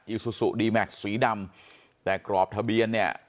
ซูซูดีแม็กซ์สีดำแต่กรอบทะเบียนเนี่ย